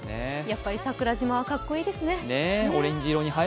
やっぱり桜島はかっこいいですね。